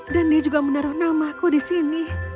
dan dia juga menaruh namaku di sini